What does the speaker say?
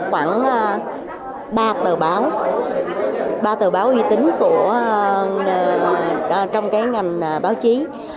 khoảng ba tờ báo ba tờ báo uy tín trong cái ngành báo chí